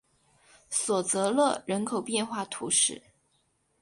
索泽勒人口变化图示